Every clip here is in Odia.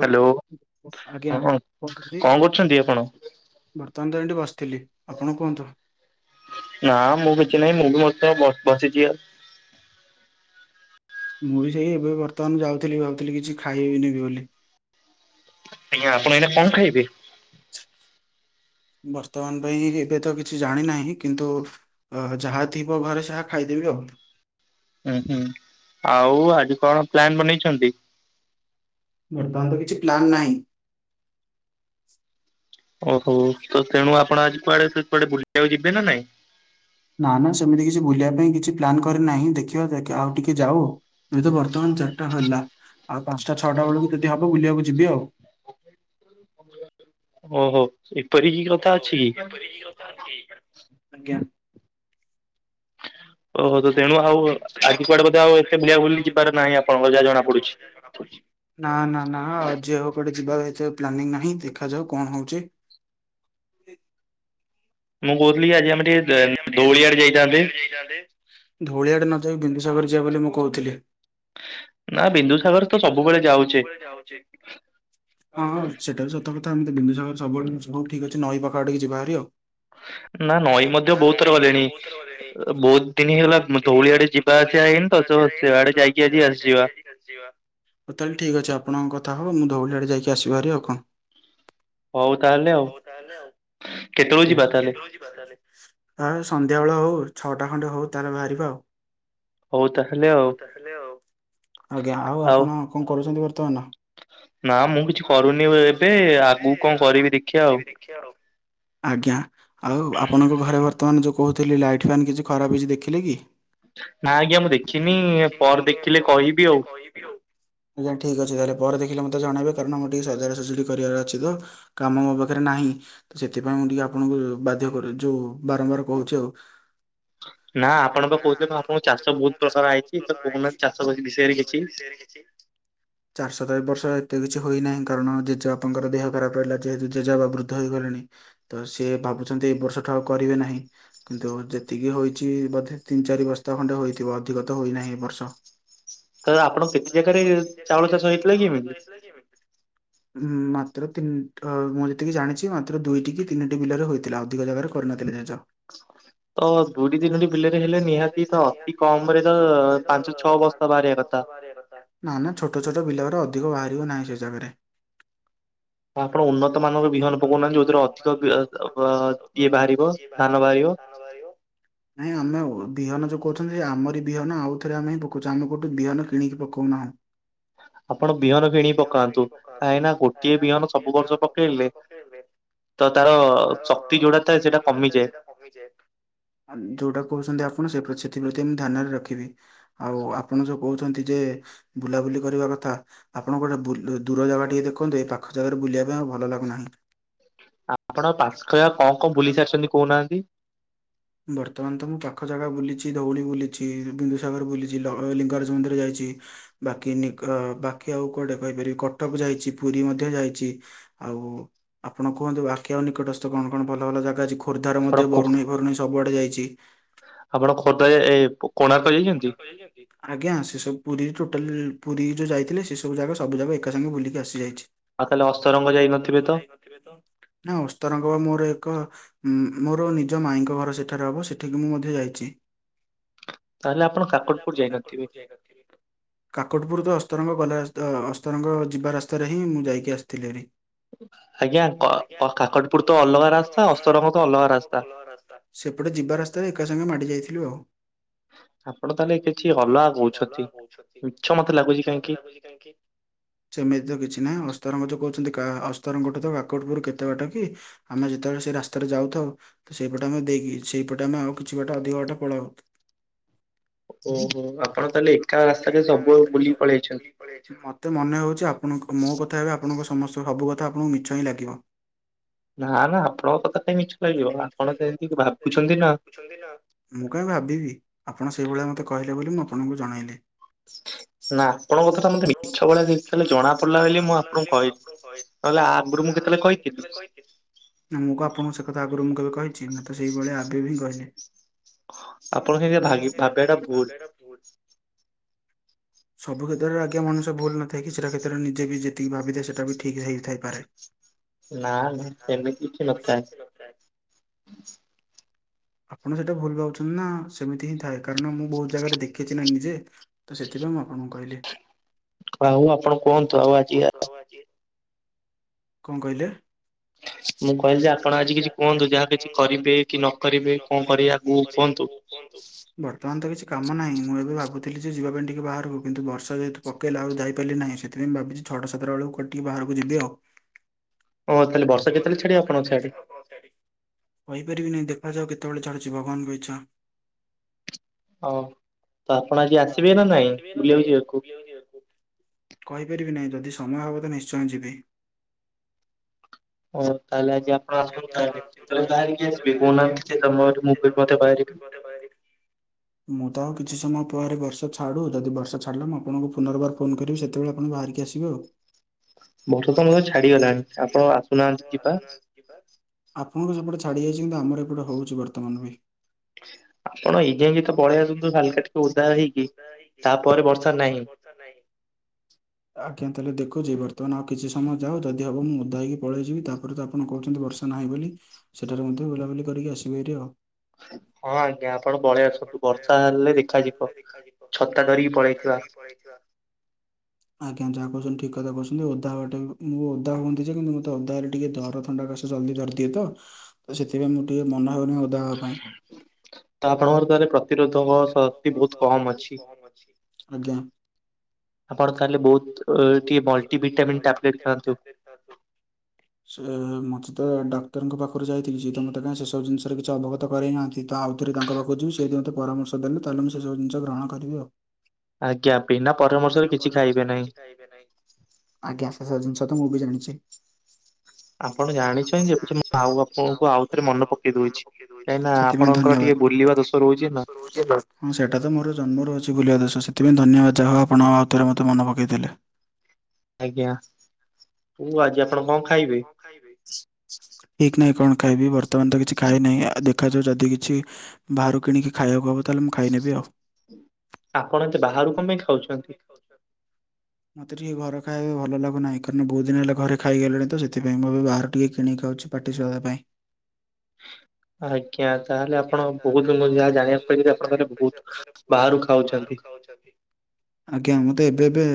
ହ୍ୟାଲୋ ହଁ କଣ କରୁଛନ୍ତି ଆପଣ? ବର୍ତ୍ତମାନ ତ ଏଠି ବସିଥିଲି ଆପଣ କୁହନ୍ତୁ? ନା ମୁଁ କିଛି ନାହିଁ ମୁଁ ବି ମଧ୍ୟ ବସିଛି ଆଉ ମୁଁ ବି ସେଇ ଏବେ ବର୍ତ୍ତମାନ ଯାଉଥିଲି ଭାବୁଥିଲି କିଛି ଖାଇବିନି ବୋଲି। ଆଜ୍ଞା ଆପଣ ଏଇନା କଣ ଖାଇବେ? ବର୍ତ୍ତମାନ ପାଇଁ ଏବେ ତ କିଛି ଜାଣି ନାହିଁ କିନ୍ତୁ ଅ ଯାହା ଥିବ ଘରେ ତାହା ଖାଇଦେବି ଆଉ ହୁଁ ହୁଁ ଆଉ ଆଜି କଣ ପ୍ଲାନ ବନେଇଛନ୍ତି? ବର୍ତ୍ତମାନ ତ କିଛି ପ୍ଲାନ୍ ନାହିଁ। ଓହୋ ତେଣୁ ଆପଣ ଆଜି କୁଆଡେ ସେପଟେ ବୁଲିବାକୁ ଯିବେ ନା ନାଇଁ? ନା ନା ସେମିତି କିଛି ବୁଲିବା ପାଇଁ କିଛି ପ୍ଲାନ୍ କରି ନାହିଁ ଦେଖିବା ଆଉ ଟିକେ ଯାଉ ଏ ତ ବର୍ତ୍ତମାନ ଚାରଟା ହେଲା ଆଉ ପାଞ୍ଚଟା ଛଅଟା ବେଳକୁ ଯଦି ହବ ବୁଲିବାକୁ ଯିବି ଆଉ ଓହୋ ଏପରି କି କଥା ଅଛି କି? ଆଜ୍ଞା। ଓହୋ ତେଣୁ ଆଉ ଆଜି କୁଆଡେ ବୋଧେ ଏତେ ବୁଲା ବୁଲି ଯିବାର ନାହିଁ ଆପଣଙ୍କର ଯାହା ଜଣା ପଡୁଛି? ନା ନା ନା ଆଜି ଆଉ କୁଆଡ଼େ ଯିବାର ଏତେ ପ୍ଲାନିଂ ନାହିଁ ଦେଖାଯାଉ କଣ ହଉଛି? ମୁଁ କହୁଥିଲି ଆଜି ଆମେ ଟିକେ ଦେ ଦୋଉଳି ଆଡ଼େ ଯାଇଥାନ୍ତେ। ଏଇଟା ଦେ। ଧୋଉଳି ଆଡ଼େ ନ ଯାଇ ବିନ୍ଦୁସାଗର ଯିବା ବୋଲି ମୁଁ କହୁଥିଲି। ନାଁ ବିନ୍ଦୁସାଗର ତ ସବୁବେଳେ ଯାଉଚେ। ଯାଉଚେ। [inaudible] ହଁ ସେଟା ବି ସତ କଥା ଆମେ ତ ବିନ୍ଦୁସାଗର ସବୁଏଳୁ ହଉ ଠିକ୍ ଅଛି ନଈ ପାଖ ଆଡି଼କି ଯିବା ହାରି ଆଉ। ନାଁ ନଈ ମଧ୍ୟ ବହୁତ ଥର ଗଲେଣି ବହୁତ ଦିନ ହେଲା ଦଉଳି ଆଡ଼େ ଯି ଧଉଳି ଆଡ଼େ ଯିବା ଆସିବା ହେଇନି ତ ତ ସିଆଡ଼େ ଯାଇକି ଆଜି ଆସିବା। ହ ତାଲେ ଠିକ୍ ଅଛି ଆପଣଙ୍କ କଥା ହଉ ମୁଁ ଧଉଳି ଆଡ଼େ ଯାଇକି ଆସିିବି ହାରି ଆଉ କଁ? ହଉ ତାହେଲେ ଆଉ କେତଳୁ ଯିବା ତାହେଲେ? ଆ ସନ୍ଧ୍ୟା ବେଳ ହଉ ଛଅଟା ଖଣ୍ଡେ ହଉ ତାହେଲେ ବାହାରିବା ଆଉ। ଆଜ୍ଞା ଆଉ ଆପଣ କଣ କରୁଚନ୍ତି ବର୍ତ୍ତମାନ? ନାଁ ମୁଁ କିଛି କରୁନି ଏବେ ଆଗୁକୁ କଣ କରିବି ଦେଖିଆ ଆଉ। ଆଜ୍ଞା। ଆଉ ଆପଣଙ୍କ ଘରେ ବର୍ତ୍ତମାନ ଯୋଉ କହୁଥିଲି ଲାଇଟ୍ ଫ୍ୟାନ୍ କିଛି ଖରାପ କିଛି ଦେଖିଲେ କି? ନାଁ ଆଜ୍ଞା ମୁଁ ଦେଖିନି ପରେ ଦେଖିଲେ କହିବି ଆଉ। ଆଜ୍ଞା ଠିକ୍ ଅଛି ତାହେଲେ ପରେ ଦେଖିଲେ ମତେ ଜଣେଇବେ କାରଣ ମୋର ଟିକେ ସଜଡ଼ା ସଜଡ଼ି କରିବାର ଅଛି ତ। କାମ ମୋ ପାଖରେ ନାହିଁ ସେଥିପାଇଁ ମୁଁ ଟିକେ ଆପଣଙ୍କୁ ବାଧ୍ୟ କରୁ ଛୁ ବାରମ୍ବାର କହୁଛୁ ନା ଆପଣ ତ କହୁଥିଲେ ଆପଣଙ୍କ ଚାଷ ବହୁତ ବର୍ଷ ହେଲା ହେଇଛି ଉନ୍ନତ ଚାଷ ବିଷୟରେ ହେଇଛି। ଦେଖିଚି। ଚାଷ ତ ବର୍ଷ ଏତେ କିଛି ହୋଇନାହିଁ କାରଣ ଜେଜେବାପାଙ୍କର ଦେହ ଖରାପ ରହିଲା ଯେହେତୁ ଜେଜେବାପାବୃ ବୃଦ୍ଧ ହେଇଗଲେଣି ତ ସିଏ ଭାବୁଛନ୍ତି ଏ ବର୍ଷଠୁ ଆଉ କରିବେ ନାହିଁ। କିନ୍ତୁ ଯେତିକି ହୋଇଛି ବୋଧେ ତିନି ଚାରି ବସ୍ତା ଖଣ୍ଡେ ହୋଇଥିବ ଅଧିକ ତ ହୋଇନାହିଁ ଏ ବର୍ଷ। ତ ଆପଣ କେତେ ଜାଗାରେ ଚାଉଳ ଚାଷ ହେଇଥିଲା କି ଏମିତି? କିଏଏମେଏଟିଧେତ୍ ଉଁ ମାତ୍ର ତିନି ମୁଁ ଯେତିକି ଜାଣିଛି ମାତ୍ର ଦୁଇଟି କି ତିନିଟି ବିଲରେ ହୋଇ ଥିଲା ଅଧିକ ଜାଗାରେ କରିନଥିଲେ ଜେଜ। ତ ଦୁଇ ତିନିଟି ବିଲରେ ହେଲେ ନିହାତି ତ ଅତି କମରେ ତ ପାଞ୍ଚ ଛଅ ବସ ପାଞ୍ଚ ଛଅ ବସ୍ତା ବାହାରିିବା କଥା। ନା ନା ଛୋଟ ଛୋଟ ବିଲଗୁରା ଅଧିକ ବାହାରିବ ନାହିଁ ସେ ଜାଗାରେ। ଆପଣ ଉନ୍ନତ ମାନର ବିହନ ପକଉନାହାନ୍ତି ଯୋଉଥିରେ ଅଧିକ ଇଏ ବାହାରିବ ଧାନ ବାହାରିିବ। ନାଇଁ ଆମେ ବିହନ ଯୋଉ କହୁଛନ୍ତି ଆମରି ବିହନ ଆଉଥରେ ଆମେ ହିଁ ପକଉଛୁ ଆମେ କୋଉଠୁ ବିହନ କିଣିକି ପକଉନାହୁଁ। [inaudible] ଆପଣ ବିହନ କିଣି ପକାନ୍ତୁ କାହିଁକିନା ଗୋଟିଏ ବିହନ ସବୁ ବର୍ଷ ପକେଇଲେ ତ ତାର ଶକ୍ତି ଯୋଉଟା ଥାଏ ସେଇଟା କମିଯାଏ। ଯୋଉଟା କହୁଛନ୍ତି ଆପଣ ସେଥିପ୍ରତି ମୁଁ ଧ୍ୟାନରେ ରଖିବି। ଆଉ ଆପଣ ଯୋଉ କହୁଛନ୍ତି ଯେ ବୁଲାବୁଲି କରିବା କଥା। ଆପଣ ଗୋଟେ ଦୂର ଜାଗା ଟିକେ ଦେଖନ୍ତୁ ଏଇ ପାଖ ଜାଗାରେ ବୁଲିବା ପାଇଁ ଆଉ ଭଲ ଲାଗୁନାହିଁ। ଆପଣ ପାସ୍କେୟା କଣ କଣ ବୁଲି ସାରିଛନ୍ତି କହୁନାହାନ୍ତି। ବର୍ତ୍ତମାନ ତ ମୁଁ ପାଖ ଜାଗା ବୁଲିଚି ଧଉଳି ବୁଲିଚି ବିନ୍ଦୁସାଗର ବୁଲିଚି ଲିଙ୍ଗରାଜ ମନ୍ଦିର ଯାଇଚି। ବାକି ନଗ୍ରବାକି ଆଉ କୁଆଡେ କହିପାରିବି କଟକ ଯାଇଛି ପୁରୀ ମଧ୍ୟ ଯାଇଛି। ଆଉ ଆପଣ କୁହନ୍ତୁ ବାକି ଆଉ ନିକଟସ୍ଥ କଣ କଣ ଭଲ ଭଲ ଜାଗା ଅଛି। ଖୋର୍ଦ୍ଧାର ମଧ୍ୟ ବରୁଣେଇ ଫରୁଣେଇ ସବୁଆଡେ ଯାଇଚି। ଆପଣ ଖୋଦାରେ ଏ ପୋ ଏ କୋଣାର୍କ ଯାଇଚନ୍ତି। ଆଜ୍ଞା ସେ ସବୁ ପୁରୀ ଟୋଟାଲି ପୁରୀ ଯୋଉ ଯାଇଥିଲେ ସେ ସବୁ ଜାଗା ସବୁ ଜାଗା ଏକାସଙ୍ଗେ ବୁଲିକି ଆସିଯାଇଛି। ତାଲେ ଅସ୍ତରଙ୍ଗ ଯାଇ ନଥିବେ ତ ନା ଅସ୍ତରଙ୍ଗ ମୋର ଏକ ହୁଁ ମୋର ନିଜ ମାଇଁଙ୍କ ଘର ସେଠାରେ ହେବ ସେଠିକି ମୁଁ ମଧ୍ୟ ଯାଇଚି। ତାହାଲେ ଆପ୍ ତାହେଲେ ଆପଣ କାକଟପୁର ଯାଇ ନଥିବେ? କାକଟପୁର ତ ଅସ୍ତରଙ୍ଗ ଗଲା ଅସ୍ତ୍ ଅସ୍ତରଙ୍ଗ ଯିବା ରାସ୍ତାରେ ହିଁ ମୁଁ ଯାଇକି ଆସିଥିଲି ହାରି। ଆଜ୍ଞା କ କ୍ କାକଟପୁର ତ ଅଲଗା ରାସ୍ତା ଅସ୍ତରଙ୍ଗ ତ ଅଲଗା ରାସ୍ତା। ସେପଟେ ଯିବା ରାସ୍ତାରେ ଏକାସଙ୍ଗେ ମାଡ଼ି ଯାଇଥିଲୁ ଆଉ। ଆପଣ ତାହେଲେ କିଛି ଅଲଗା କହୁଛନ୍ତି ମିଛ ମତେ ଲାଗୁଛି କାହିଁକି? କି କାହିଁକି? ସେମିତି ତ କିଛି ନାହିଁ ଅସ୍ତରଙ୍ଗ ଯୋଉ କହୁଛନ୍ତି କା ଅସ୍ତରଙ୍ଗ ଠୁ ତ କାକଟପୁର କେତେ ବାଟ କି? ଆମେ ଯେତେବେଳେ ସେ ରାସ୍ତାରେ ଯାଉଥାଉ ସେଇପଟେ ଆମେ ଦେଇକି ସେଇପଟେ ଆମେ ଆଉ କିଛି ବାଟ ଅଧିକ ବାଟ ପଳାଉ। ଓହୋ ଆପଣ ତାହେଲେ ଏକା ରାସ୍ତାରେ ସବୁ ବୁଲି ପଳେଇଆଛନ୍ ମତେ ମନେ ହଉଛି ଆପଣଙ୍କ ମୋ କଥା ଏବେ ଆପଣଙ୍କ ସମସ୍ତ ସବୁ କଥା ଆପଣଙ୍କୁ ମିଛ ହିଁ ଲାଗିବ। ନା ନା ଆପଣଙ୍କ କଥା କାଇଁ ମିଛ ଲାଗିବ ଆପଣ ସେମିତି ଭାବୁଛନ୍ତି ନା। ମୁଁ କାଇଁ ଭାବିବି ଆପଣ ସେଇଭଳିଆ ମତେ କହିଲେ ବୋଲି ମୁଁ ଆପଣଙ୍କୁ ଜଣାଇଲି। ନା ଆପଣଙ୍କ କଥାଟା ମୋତେ ମିଛ ଭଳିଆ ଯେତେବେଳେ ଜଣାପଡିଲା ବୋଲି ମୁଁ ଆପଣଙ୍କୁ କହିଲି। ନହେଲେ ଆପୁରୁ ମୁଁ କେତେବେଳେ କହିଥିଲି? ନା ମୁଁ କୁ ଆପଣକୁ ସେ କଥା ଆଗରୁ ମୁଁ କେବେ କହିଛି ମୁଁ ତ ସେଇଭଳିଆ ଆବେ ବି ହିଁ କହିଲି। ଆପଣଙ୍କ [unintelligible] ଭା ଭାବିବା ଟା ଭୁଲ। ସବୁ୍କ୍ଷେତ୍ରରେ ଆଜ୍ଞ ମଣିଷ ଭୁଲ ନଥାଇ କିଛିଟା କ୍ଷେତରେ ନିଜେ ବି ଯେତିକି ଭାବିଥାଏ ସେଟା ବି ଠିକ୍ ହୋଇଥାଇପାରେ। ନା ନା ସେମିତି କିଛି ନଥାଏ। ଆପଣ ସେଇଟା ଭୁଲ ଭାଉଛନ୍ତି ନା ସେମିତି ହିଁ ଥାଏ କାରଣ ମୁଁ ବହୁତ ଜାଗାରେ ଦେଖିଛି ନା ନିଜେ। ତ ସେଥିପାଇଁ ମୁଁ ଆପଣଙ୍କୁ କହିଲି। ଆଉ ଆପଣ କୁହନ୍ତୁ ଆଉ ଆଜିି ଆ ଆଉ ଆଜି କଂ କହିଲେ। ମୁଁ କହିଲି ଯେ ଆପଣ ଆଜି କିଛି କୁହନ୍ତୁ ଯାହା କିଛି କରିବେ କି ନ କରିବେ କଂ କରିବାକୁ କୁହନ୍ତୁ? ବର୍ତମାନ ତ କିଛି କାମ ନାହିଁ ମୁଁ ଏବେ ଭାବୁଥିଲି ଯେ ଯିବା ପାଇଁ ଟିକେ ବାହାରକୁ କିନ୍ତୁ ବର୍ଷା ଯେହେତୁ ପ କେଇଲା ଆଉ ଯାଇ ପାଇଲି ନାହିଁ ସେଥିପାଇ ମୁଁ ଭାବିଛି ଛଅଟା ସାତଟା ବେଳକୁ କୁଆଟିକେ ବାହାରକୁ ଯିବି ଆଉ। ଓହ ତାଲେ ବର୍ଷା କେତେବେଳେ ଛାଡିବ ଆପଣଙ୍କ ସେଆଡେ। [unintelligible] କହିପାରିବିନି ଦେଖାଯାଉ କେତେବେଳେ ଛାଡୁଛି ଭଗବାନଙ୍କ ଇଚ୍ଛା। ହଉ ତ ଆପଣ ଆଜି ଆସିବେ ନା ନାଇଁ ବୁଲିବାକୁ ଯିବାକୁ? କହିପାରିବି ନାହିଁ ଯଦି ସମୟ ହବ ତ ନିଶ୍ଚୟ ଯିବି। ହଁ ତାହେଲେ ଆଜି ଆପଣ ଆସନ୍ତୁ ତାହେଲେ କେତେବେଳେ ବାହାରିକି ଆସିବେ କହୁନାହାନ୍ତି ସେ ସମୟରେ ମୁଁ ମୁଁ ତ କିଛି ସମୟ ପ ବାହାରେ ବର୍ଷା ଛାଡୁ ଯଦି ବର୍ଷା ଛାଡିଲା ମୁ ଆପଣଙ୍କୁୁ ପୁନର୍ବାର ଫୋନ କରିବି ସେତେବେଳେ ଆପଣ ବାହାରିକି ଆସିବେ ଆଉ। ବର୍ଷା ତ [unintelligible] ଛାଡିଗଲାଣି ଆପଣ ଆସୁନାହାନ୍ତି ଯିବା। ଆପଣଙ୍କର ସେପଟେ ଛାଡି ଯାଇଛି କିନ୍ତୁ ଆମର ଏପଟେ ହଉଛି ବର୍ତ୍ତମାନ ବି। ଆପଣ ଏଇଯାଏ କେ ତ ପଳେଇ ଆସନ୍ତୁ ହାଲକା ଟିକେ ଓଦା ହେଇକି ତାପରେ ବର୍ଷା ନାହିଁ। [unintelligible] ଆଜ୍ଞା ତାହେଲେ ଦେଖୁଛି ବର୍ତ୍ତମାନ ଆଉ କିଛି ସମୟ ଯାଉ ଯଦି ହବ ମୁଁ ଓଧା ହେଇକି ପଳେଇଯିବି ତାପରେ ତ ଆପଣ କହୁଛନ୍ତି ବର୍ଷା ନାହିଁ ବୋଲି। ସେଠାରେ ମଧ୍ୟ ବୁଲାବୁଲି କରିକି ଆସିବେ ହାରି ଆଉ। ହଁ ଆଜ୍ଞା ଆପଣ ପଳେଇ ଆସନ୍ତୁ ବର୍ଷା ହେଲେ ଦେଖାଯିବ ଛତା ଧରିକି ପଳେଇଥିବା। [unintelligible] ଆଜ୍ଞା ଯାହା କହୁଛନ୍ତି ଠିକ କଥା କହୁଛନ୍ତି ଓଦା ହବାଟା ବି ମୁଁ ଓଦା ହୁଅନ୍ତି ଯେ କିନ୍ତୁ ମତେ ଓଦା ହେଲେ ଟିକେ ଜର ଥଣ୍ଡା କାଷ ଜଲଦି ଧରିଦିଏ ତ। ତ ସେଥିପାଇଁ ଟିକେ ମନା ହଉନି ଓଦା ହେବା ପାଇଁ। ତ ଆପଣଙ୍କ ଦ୍ଵାର କ ପ୍ରତିରୋଧକ ଶକ୍ତି ବହୁତ କମ ଅଛି ଆଜ୍ଞା। ଆପଣ ତାହେଲେ ବହୁତ ଟିକେ ମଲ୍ଟିଭିଟାମୀନ୍ ଟାବଲେଟ୍ ଖାଆନ୍ତୁ। ସେ ମୋତେ ତ ଡକ୍ତରଙ୍କ ପାଖରୁ ଯାଇଥିଲି ସେ ତ ମୋତେ କାଇଁ ସେ ସବୁ ଜିନିଷରେ କିଛି ଅବଗତ କରେଇନାହାଁନ୍ତି। କିନ୍ତୁ ଆଉଥରେ ତାଙ୍କ ପାଖକୁ ଯିବ ସିଏ ଯଦି ମୋତେ ପରାମର୍ଶ ଦେଲେ ତାହେଲେ ମୁଁ ସେସବୁ ଜିନିଷ ଗ୍ରହଣ କରିବି ଆଉ। ଆଜ୍ଞା ବିନା ପରାମର୍ଶରେ କିଛି ଖାଇବେ ନାହିଁ। ଆଜ୍ଞା ସେ ସବୁ ଜିନିଷ ତ ମୁଁ ବି ଜାଣିଛି। ଆପଣ ଜାଣିଛନ୍ତି ଯେ ମୁଁ ଆଉ ଆପଣଙ୍କୁ ଆଉ ଥରେ ମନେ ପକେଇ ଦଉଛି। କାହିଁକି ନା ଆପଣଙ୍କର ଟିକେ ଭୁଲିବା ଦୋଷ ରହୁଛି ନା। ହଁ ସେଇଟା ତ ମୋର ଜନ୍ମରୁ ଅଛି ଭୁଲିବା ଦୋଷ ସେଥିପାଇଁ ଧନ୍ୟବାଦ ଯାହାହଉ ଆପଣ ଆଉଥରେ ମୋତେ ମନେ ପକେଇ ଦେଲେ। ଆଜ୍ଞା ହଉ ଆଜି ଆପଣ କଣ ଖାଇବେ? ଠିକ ନାହିଁ କଣ ଖାଇବି ବର୍ତ୍ତମାନ ତ କିଛି ଖାଇ ନାହିଁ ଦେ ଦେଖାଯାଉ ଯଦି କିଛି ବାହାରୁ କିଣିକି ଖାଇବାକୁ ହବ ତାହେଲେ ମୁଁ ଖାଇନେବି ଆଉ। ଆପଣ ଏତେ ବାହାରୁ କଣ ପାଇଁ ଖାଉଛନ୍ତି? ମୋତେ ଟିକିଏ ଘର ଖାଇବା ଭଲ ଲାଗୁନାହିଁ କାରଣ ବହୁତ ଦିନ ହେଲା ଘରେ ଖାଇଗଲିଣି ତ ସେଥିପାଇଁ ମୁଁ ଏବେ ବାହାରୁ ଟିକେ କିଣିକି ଖାଉଛି। ପଟି ସୁଆଦ ପାଇଁ। [inaudible] ଆଜ୍ଞା ତାହେଲେ ଆପଣ ବହୁତ ମୁଁ ଯାହା ଜାଣିବାକୁ ପାଇଲି ଆପଣ ତାହେଲେ ବହୁତ ବାହାରୁ ଖାଉଛନ୍ତି। ଖାଉଛନ୍ତି। ଆଜ୍ଞା ମୁଁ ତ ଏବେ ଏବେ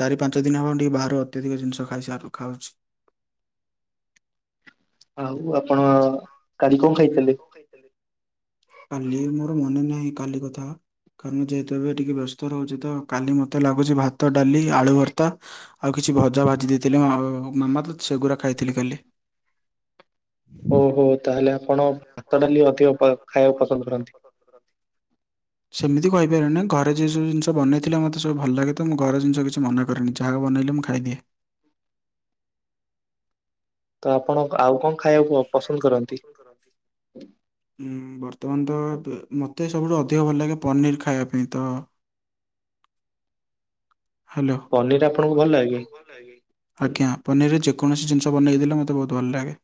ଚାରି ପାଞ୍ଚ ଦିନ ହେବ ଟିକେ ବାହାରୁ ଅତ୍ୟଧିକ ଜିନିଷ ଖାଇ ସାର ଖାଉଛି। ଆଉ ଆପଣ କାଲି କଣ ଖାଇଥିଲେ? ଖାଇଥିଲେ? କାଲି ମୋର ମନେ ନାହିଁ କାଲି କଥା। କାରଣ ଯେହେତୁ ଏବେ ଟିକେ ବ୍ୟସ୍ତ ରହୁଛି ତ କାଲି ମୋତେ ଲାଗୁଛି ଭାତ, ଡାଲି, ଆଳୁ ଭର୍ତ୍ତା। ଆଉ କିଛି ଭଜା ଭାଜି ଦେଇଥିଲେ ମାମା ତ ସେଗୁରା ଖାଇଥିଲି କାଲି। ଓହୋ ତାହେଲେ ଆପଣ ଭାତ ଡାଲି ଅଧିକ ଖାଇବାକୁ ପସନ୍ଦ କରନ୍ତି। ସେମିତି କହିପାରିବିନି ନା ଘରେ ଯୋଉ ସବୁ ଜିନିଷ ବନେଇଥିଲେ ମତେ ସବୁ ଭଲ ଲାଗେ ତ ମୁଁ ଘର ଜିନିଷ କିଛି ମନା କରେନି ଯାହା ବନେଇଲେ ମୁଁ ଖାଇଦିଏ। ତ ଆପଣ ଆଉ କଣ ଖାଇବାକୁ ପସନ୍ଦ କରନ୍ତି? କରନ୍ତି। [inaudible] ବର୍ତ୍ତମାନ ତ ମୋତେ ସବୁଠୁ ଅଧିକ ଭଲ ଲାଗେ ପନିର୍ ଖାଇବା ପାଇଁ ତ ପନିର ଆପଣଙ୍କୁ ଭଲ ଲାଗେ? ଆଜ୍ଞା ପନିରରେ ଯେକୌଣସି ଜିନିଷ ବନେଇକି ଦେଲେ ମତେ ବହୁତ ଭଲ ଲାଗେ।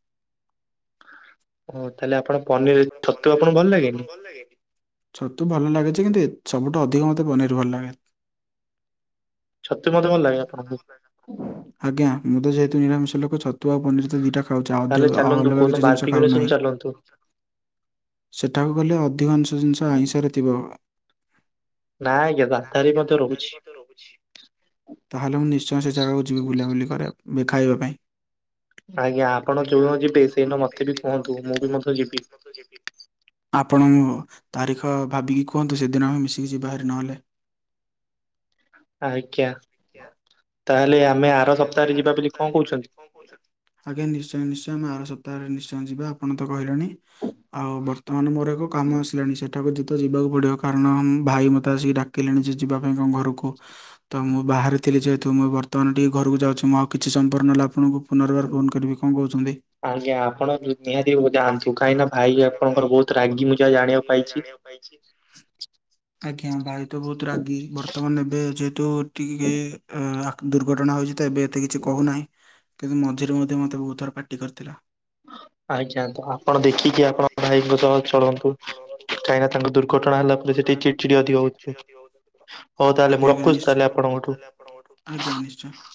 ହଉ ତାହେଲେ ଆପଣ ପନିର୍ ଛତୁ ଆପଣଙ୍କୁ ଭଲ ଲାଗେନି? ଛତୁ ଭଲ ଲାଗେ ଯେ କିନ୍ତୁ ଏ ସବୁଠୁ ଅଧିକ ମତେ ପନିର୍ ଭଲ ଲାଗେ। ଛତୁ ମଧ୍ୟ ଭଲ ଲାଗେ ଆପଣଙ୍କୁ? ଆଜ୍ଞା ମୁଁ ତ ଯେହେତୁ ନିରାମିଷ ଲୋକ ଛତୁ ଆଉ ପନିର ତ ଦିଟା ଖାଉଛି ଆ ଅଧିକ ଆଉ ଅଲଗା କିଛି ଜିନିଷ ଖାଉନାହିଁ। ସେଠାକୁ ଗଲେ ଅଧିକାଂଶ ଜିନିଷ ଆଇଁଷରେ ଥିବ। ନା ଆଜ୍ଞା ଦାନ୍ତାରୀ ମଧ୍ୟ ରହୁଛି। ତାହେଲେ ମୁଁ ନିଶ୍ଚୟ ସେ ଜାଗାକୁ ଯିବି ବୁଲାବୁଲି କରିବା ଖାଇବା ପାଇଁ। ଆଜ୍ଞା ଆପଣ ଯୋଉ ଦିନ ଯିବେ ସେଇଦିନ ମତେ ବି କୁହନ୍ତୁ ମୁଁ ବି ମଧ୍ୟ ଯିବି। ଆପଣ ତାରିଖ ଭାବିକି କୁହନ୍ତୁ ସେଦିନ ଆମେ ମିଶିକି ଯିବା ଭାରି ନହେଲେ। ଆଜ୍ଞା ତାହେଲେ ଆମେ ଆର ସପ୍ତାହରେ ଯିବା ବୋଲି କଣ କହୁଛନ୍ତି? ଆଜ୍ଞା ନିଶ୍ଚୟ ନିଶ୍ଚୟ ଆମେ ଆର ସପ୍ତାହରେ ନିଶ୍ଚୟ ଯିବା ଆପଣ ତ କହିଲେଣି। ଆଉ ବର୍ତ୍ତମାନ ମୋର ଏକ କାମ ଆସିଲାଣି ସେଠାକୁ ତ ଯିବାକୁ ପଡ଼ିବ କାରଣ ଭାଇ ମତେ ଆସିକି ଡାକ କିଲେଣି ଯେ ଯିବା ପାଇଁ କଣ ଘରକୁ ତ ମୁଁ ବାହାରେ ଥିଲି ଯେହେତୁ ମୁଁ ବ ବର୍ତମାନ ଟିକେ ଘରକୁ ଯାଉଛି ମୁଁ ଆଉ କିଛି ସମୟପରେ ନହେଲେ ଆପଣଙ୍କୁ ପୁନର୍ବାର ଫୋନ୍ କରିବି କଣ କହୁଛନ୍ତି? ଆଜ୍ଞା ଆପଣ ନିହାତି ଯାଆନ୍ତୁ କାହିଁକି ନା ଭାଇ ଆପଣଙ୍କର ବହୁତ ରାଗି ମୁଁ ଯାହା ଜାଣିବାକୁ ପାଇଛି ପାଇଛିି। ଆଜ୍ଞା ଭାଇ ତ ବହୁତ ରାଗି ବର୍ତ୍ତମାନ ଏବେ ଯେହେତୁ ଟିକେ ଆ ଦୁର୍ଘଟଣା ହୋଇଛି ତ ଏବେ ଏତେ କିଛି କହୁନାହିଁ କିନ୍ତୁ ମଝିରେ ମଧ୍ୟ ମତେ ବହୁତ ଥର ପାଟି କରିଥିଲା। ଆଜ୍ଞା ତ ଆପଣ ଦେଖିକି ଆପଣ ଭାଇଙ୍କ ସହ ଚଳନ୍ତୁ। କାହିଁକନା ତାଙ୍କ ଦୁର୍ଘଟଣା ହେଲା ପରେ ସେଠି ଚିଡ ଚିଡି ଅଧିକ ହଉଥିବେ ହଉ ତାହେଲେ ମୁଁ ରଖୁଛି ତାହେଲେ ଆପଣଙ୍କଠୁ। ଆଜ୍ଞା ନିଶ୍ଚୟ।